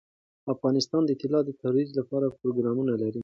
افغانستان د طلا د ترویج لپاره پروګرامونه لري.